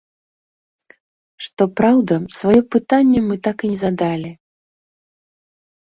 Што праўда, сваё пытанне мы так і не задалі.